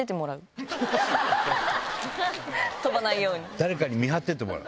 誰かに見張っててもらう？